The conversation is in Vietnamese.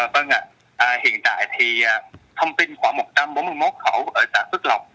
vâng ạ hiện tại thì thông tin khoảng một trăm bốn mươi một khẩu ở xã phước lộc